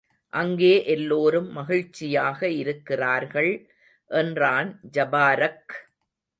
அங்கே எல்லோரும் மகிழ்ச்சியாக இருக்கிறார்கள் என்றான் ஜபாரக்.